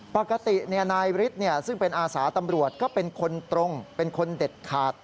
ปกตินายฤทธิ์ซึ่งเป็นอาสาตำรวจก็เป็นคนตรงเป็นคนเด็ดขาด